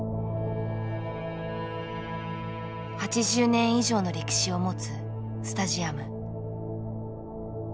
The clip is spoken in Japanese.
８０年以上の歴史を持つスタジアム。